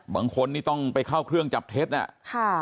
บางคนนี่ต้องไปเข้าเครื่องจับเท็จอ่ะค่ะ